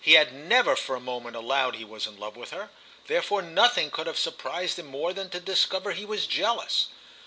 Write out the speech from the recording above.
He had never for a moment allowed he was in love with her; therefore nothing could have surprised him more than to discover he was jealous.